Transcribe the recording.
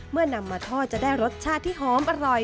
นำมาทอดจะได้รสชาติที่หอมอร่อย